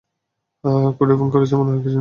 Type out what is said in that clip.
কুট্টি phone করেছে, মনে হয় নিচে আছে।